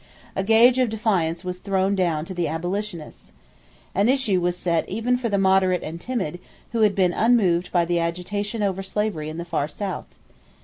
A gage of defiance was thrown down to the abolitionists. An issue was set even for the moderate and timid who had been unmoved by the agitation over slavery in the Far South.